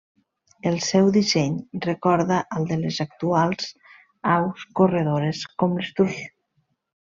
El seu disseny recorda al de les actuals aus corredores, com l'estruç.